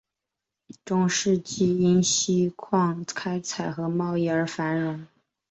中世纪因锡矿开采和贸易而繁荣。